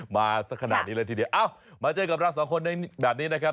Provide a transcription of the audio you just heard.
มาสักขนาดนี้เลยมาเจอกับเรา๒คนแบบนี้นะครับ